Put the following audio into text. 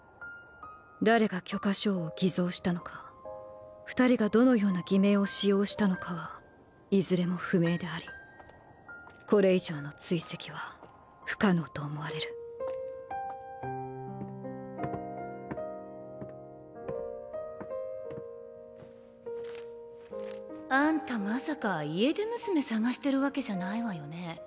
誰が許可証を偽造したのか二人がどのような偽名を使用したのかはいずれも不明でありこれ以上の追跡は不可能と思われる「あんたまさか家出娘捜してるわけじゃないわよね。